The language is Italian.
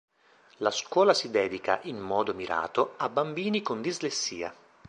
La scuola si dedica, in mondo mirato, a bambini con dislessia.